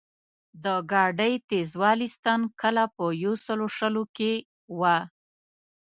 د ګاډۍ تېزوالي ستن کله په یو سلو شلو کې وه.